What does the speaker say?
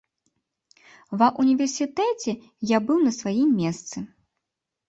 Ва ўніверсітэце я быў на сваім месцы.